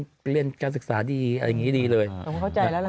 แล้วก็เป็นเลเมดการศึกษาดีอะไรอย่างนี้ดีเลยผมได้เข้าใจแล้ว